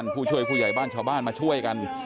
ผู้ช่วยผู้ใหญ่บ้านชาวบ้านมาช่วยกัน